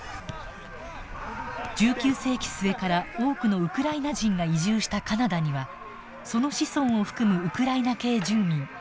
１９世紀末から多くのウクライナ人が移住したカナダにはその子孫を含むウクライナ系住民